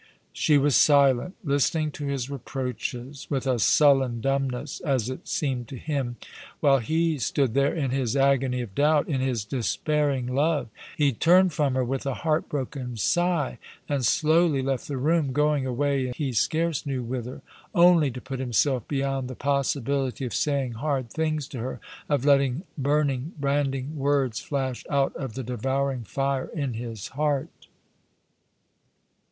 She was silent, listening to his reproaches with a sullen dumbness, as it seemed to him, while he stood there in his agony of doubt — in his despairing love. He turned from her with a heart broken gigh, and slowly left the room, going away he scarce knew whither, only to put himself beyond the possibility of saying hard things to her, of letting burn ing, branding words flash out of the devouring fire in his heart.